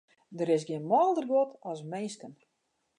Der is gjin mâlder guod as minsken.